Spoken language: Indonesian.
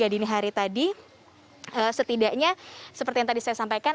dini hari tadi setidaknya seperti yang tadi saya sampaikan